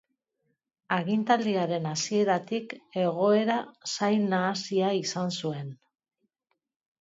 Agintaldiaren hasieratik egoera zail nahasia izan zuen.